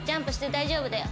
大丈夫だよ。